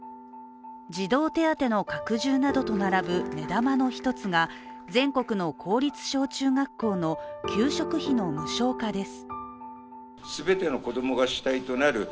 児童手当の拡充などと並ぶ目玉の一つが、全国の公立小中学校の給食費の無償化です。